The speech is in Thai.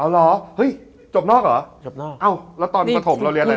แล้วตอนประถมที่เรียกอะไร